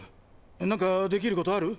なんかできることある？